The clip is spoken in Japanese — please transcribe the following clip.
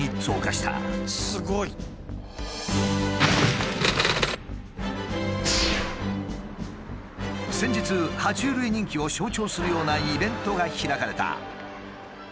すごい！先日は虫類人気を象徴するようなイベントが開かれた。